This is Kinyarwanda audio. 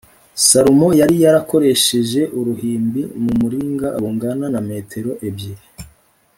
salomo yari yarakoresheje uruhimbi mu muringa rungana na metero ebyiri